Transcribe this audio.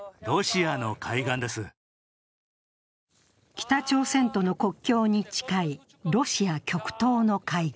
北朝鮮との国境に近いロシア極東の海岸。